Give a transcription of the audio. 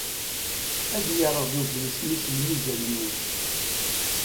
Ad yerreẓ ugris-nni s lmizan-nwen.